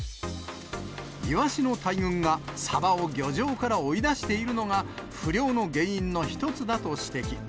イワシの大群がサバを漁場から追い出しているのが、不漁の原因の一つだと指摘。